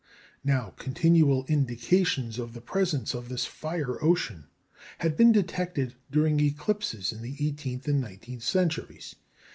Now, continual indications of the presence of this fire ocean had been detected during eclipses in the eighteenth and nineteenth centuries.